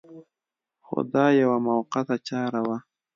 خو دا یوه موقته چاره وه.